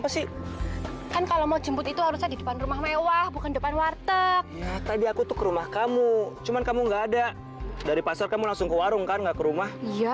sampai jumpa di video selanjutnya